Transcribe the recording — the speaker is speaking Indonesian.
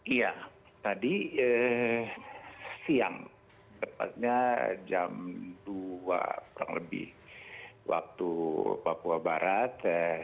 iya tadi siang tepatnya jam dua kurang lebih waktu papua barat